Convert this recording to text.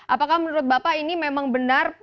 apakah menurut bapak ini memang benar